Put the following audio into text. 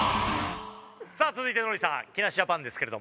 さあ続いてノリさん木梨ジャパンですけれども。